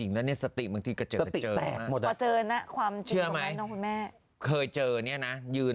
รูปว่าไม่มารถดีแบบหนึ่ง